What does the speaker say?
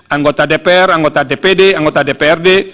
anggota dpr anggota dpd anggota dprd